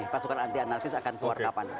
pasukan anti anarkis akan keluar kapan